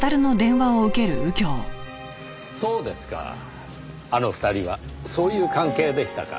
そうですかあの２人はそういう関係でしたか。